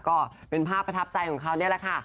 ก็เป็นภาพประทับใจของเขานี่แหละค่ะ